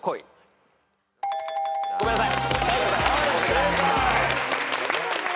ごめんなさい。